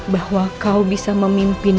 bahwa kau bisa memimpin